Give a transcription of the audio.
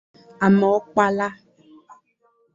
Amaọkpala